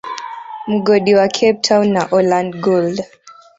Mgodi wa Cape town na Orland Gold